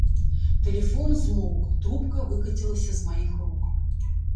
Тэлефон змоўк, трубка выкацілася з маіх рук.